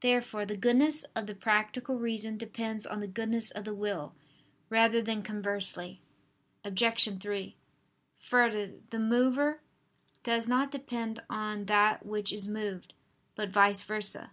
Therefore the goodness of the practical reason depends on the goodness of the will, rather than conversely. Obj. 3: Further, the mover does not depend on that which is moved, but vice versa.